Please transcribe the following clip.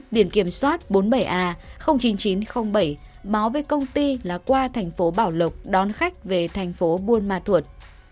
điện kiểm soát bốn mươi bảy a chín mươi chín bảy báo với công ty là qua thành phố bảo lục đón khách về thành phố buôn ma thuật